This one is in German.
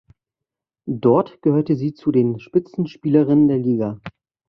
Dort gehörte sie zu den Spitzenspielerinnen der Liga.